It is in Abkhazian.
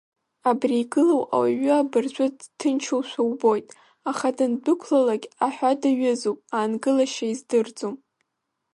Абри игылоу ауаҩы абыржәы дыҭынчушәа убоит, аха дандәықәлалакь аҳәа даҩызоуп, аангылашьа издырӡом.